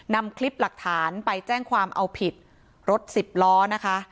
นำคลิปหลักฐานไปแจ้งความเอาผิดรถสิบล้อนะคะ